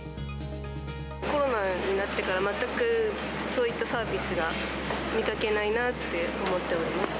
コロナになってから、全くそういったサービスは見かけないなって思っております。